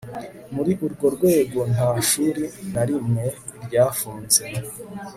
muri urwo rwego nta shuri na rimwe ryafunze